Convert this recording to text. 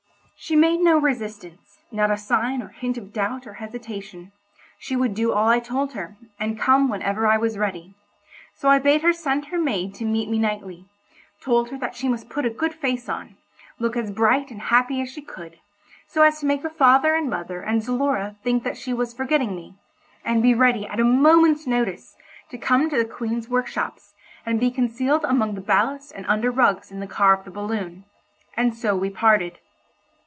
She made no resistance, not a sign or hint of doubt or hesitation. She would do all I told her, and come whenever I was ready; so I bade her send her maid to meet me nightly—told her that she must put a good face on, look as bright and happy as she could, so as to make her father and mother and Zulora think that she was forgetting me—and be ready at a moment's notice to come to the Queen's workshops, and be concealed among the ballast and under rugs in the car of the balloon; and so we parted.